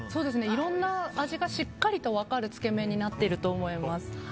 いろんな味がしっかりと分かるつけ麺になっていると思います。